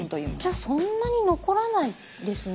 じゃあそんなに残らないですね。